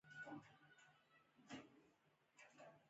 افغانستان د زغال له پلوه له نورو هېوادونو سره اړیکې لري.